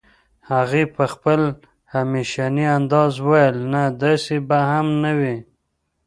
هغې په خپل همېشني انداز وويل نه داسې به هم نه وي